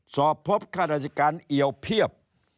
สอบพบข้าราชการเอียวเพียบ